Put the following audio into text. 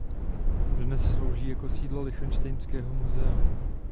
Dnes slouží jako sídlo Lichtenštejnského muzea.